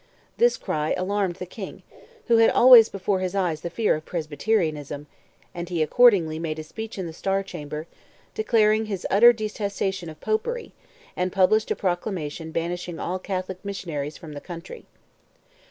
This cry alarmed the King, who had always before his eyes the fear of Presbyterianism, and he accordingly made a speech in the Star Chamber, declaring his utter detestation of Popery, and published a proclamation banishing all Catholic missionaries from the country.